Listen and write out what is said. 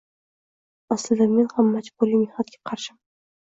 Aslida, men ham majburiy mehnatga qarshiman.